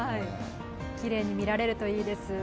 きれいに見られるといいです。